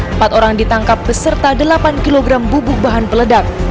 empat orang ditangkap beserta delapan kg bubuk bahan peledak